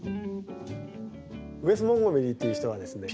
ウェス・モンゴメリーという人はですね